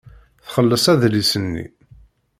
Txelleṣ adlis-nni.